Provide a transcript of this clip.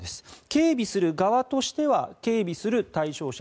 警備する側としては警備する対象者